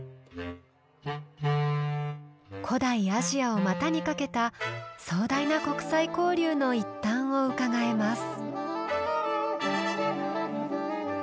古代アジアをまたにかけた壮大な国際交流の一端をうかがえます。